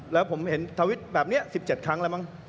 แล้วผมเห็นทวิตแบบนี้๑๗ครั้งแล้วมั้ง